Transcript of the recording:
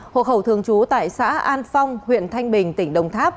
hộ khẩu thường trú tại xã an phong huyện thanh bình tỉnh đồng tháp